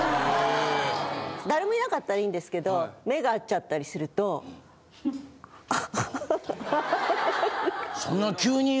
誰もいなかったらいいんですけど目が合っちゃったりするとあ。